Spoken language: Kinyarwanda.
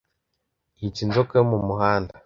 yica inzoka yo mu muhanda